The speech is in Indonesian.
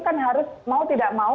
kan harus mau tidak mau